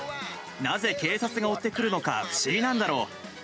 なぜ警察が追ってくるのか不思議なんだろう。